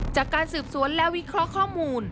จากการสืบสวนและวิเคราะห์ข้อมูล